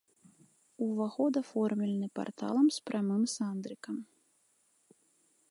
Уваход аформлены парталам з прамым сандрыкам.